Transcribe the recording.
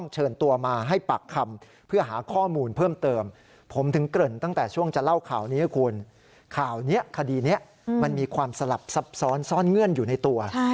จะหลับซับซ้อนซ่อนเงื่อนอยู่ในตัว